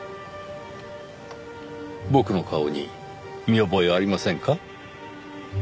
僕の顔に見覚えありませんか？